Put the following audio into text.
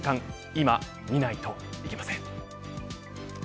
今、見ないといけません。